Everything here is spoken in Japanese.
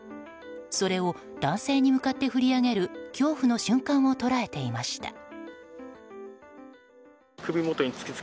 それを男性に向かって振り上げる恐怖の瞬間を捉えていました。